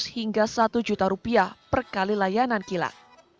hingga rp satu juta per kali layanan kilat